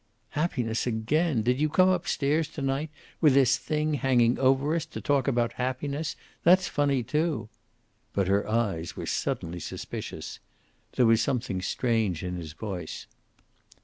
"Happiness again! Did you come up stairs to night, with this thing hanging over us, to talk about happiness? That's funny, too." But her eyes were suddenly suspicious. There was something strange in his voice.